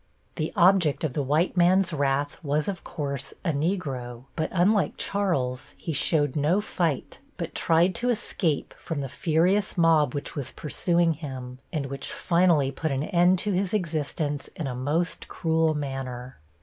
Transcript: The object of the white man's wrath was, of course, a Negro, but, unlike Charles, he showed no fight, but tried to escape from the furious mob which was pursuing him, and which finally put an end to his existence in a most cruel manner.